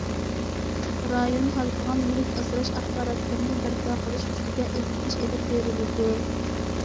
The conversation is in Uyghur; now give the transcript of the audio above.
رايون ھالقىغان مۇھىت ئاسراش ئاپپاراتلىرىنى بەرپا قىلىش ئۈستىدە ئىزدىنىش ئېلىپ بېرىلىدۇ.